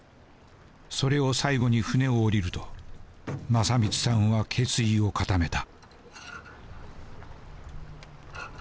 それを最後に船を下りると正光さんは決意を固めた。